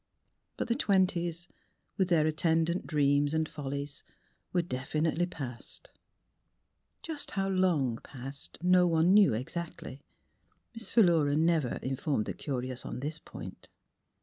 But the twenties, with their attendant dreams and follies, were defi nitely past; just how long past no one knew exactly — Miss Philura never informed the curious on this point.